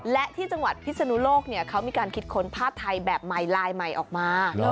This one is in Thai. และที่จังหวัดพิศนุโลกเขามีการคิดค้นผ้าไทยแบบใหม่ลายใหม่ออกมา